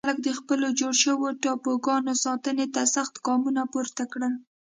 خلک د خپلو جوړ شوو ټاپوګانو ساتنې ته سخت ګامونه پورته کړل.